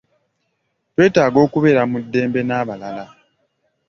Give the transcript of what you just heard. Twetaaga okubeera mu ddembe n'abalala.